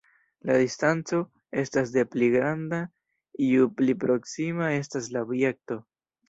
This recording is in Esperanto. La distanco estas des pli granda ju pli proksima estas la objekto.